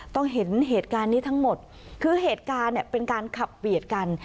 ต้องเห็นเหตุการณ์นี้ทั้งหมดคือเหตุการณ์เนี่ยเป็นการขับเบียดกัน